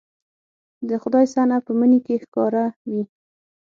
د خدای صنع په مني کې ښکاره وي